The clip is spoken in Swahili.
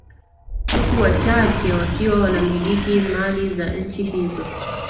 Huku wachache wakiwa wanamiliki mali za nchi hizo